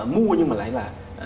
mua nhưng mà lại là